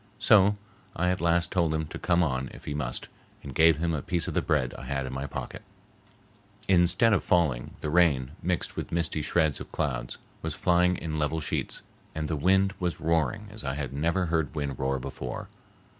So I at last told him to come on if he must and gave him a piece of the bread I had in my pocket. Instead of falling, the rain, mixed with misty shreds of clouds, was flying in level sheets, and the wind was roaring as I had never heard wind roar before.